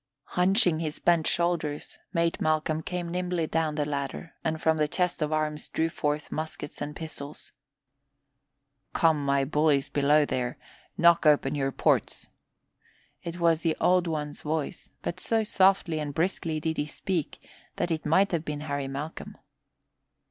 Hunching his bent shoulders, Mate Malcolm came nimbly down the ladder and from the chest of arms drew forth muskets and pistols. "Come, my bullies below there, knock open your ports!" It was the Old One's voice, but so softly and briskly did he speak that it might have been Harry Malcolm.